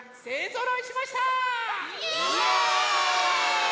イエーイ！